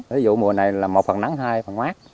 ví dụ mùa này là một phần nắng hai phần quát